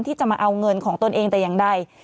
ที่จะมาเอาเงินของตนเองแต่อย่างใด